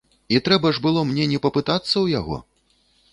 І трэба ж было мне не папытацца ў яго?